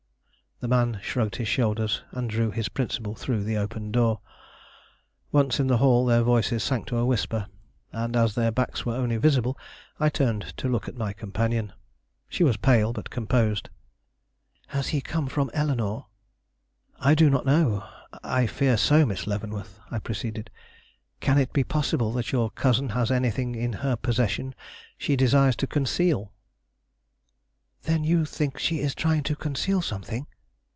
The man shrugged his shoulders, and drew his principal through the open door. Once in the hall their voices sank to a whisper, and as their backs only were visible, I turned to look at my companion. She was pale but composed. "Has he come from Eleanore?" "I do not know; I fear so. Miss Leavenworth," I proceeded, "can it be possible that your cousin has anything in her possession she desires to conceal?" "Then you think she is trying to conceal something?"